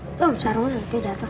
om sarungnya udah datang